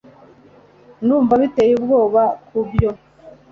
ndumva biteye ubwoba kubyo